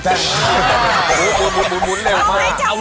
ต้องให้จังหวะ